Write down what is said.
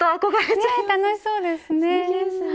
ねえ楽しそうですね。